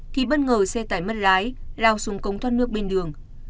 thì bất ngờ xe tải mất lái lao xuống cống thoát nước bên đường